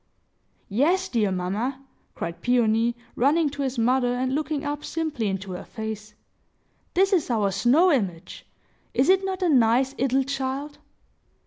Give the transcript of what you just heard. "Yes, dear mamma," cried Peony, running to his mother, and looking up simply into her face. "This is our snow image! Is it not a nice 'ittle child?"